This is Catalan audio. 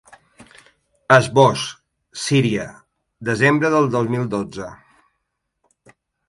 Esbós: Síria, desembre del dos mil dotze.